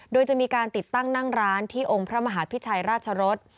โดยจะมีการติดตั้งนั่งร้านที่องค์พระมหาพิชัยราชรส